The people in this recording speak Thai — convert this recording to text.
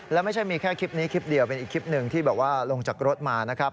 และไม่ใช่มีแค่คลิปนี้คลิปเดียวเป็นอีกคลิปหนึ่งที่บอกว่าลงจากรถมานะครับ